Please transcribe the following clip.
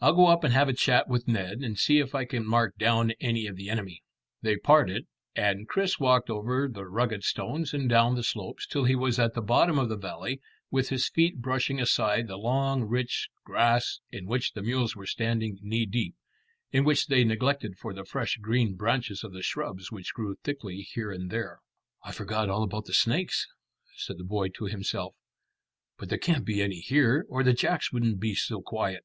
I'll go up and have a chat with Ned, and see if I can mark down any of the enemy." They parted, and Chris walked over the rugged stones and down the slopes till he was at the bottom of the valley, with his feet brushing aside the long rich grass in which the mules were standing knee deep, and which they neglected for the fresh green branches of the shrubs which grew thickly here and there. "I forgot all about the snakes," said the boy to himself; "but there can't be any here, or the jacks wouldn't be so quiet."